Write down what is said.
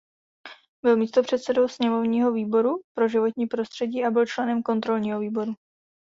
Byl místopředsedou sněmovního výboru pro životní prostředí a byl členem kontrolního výboru.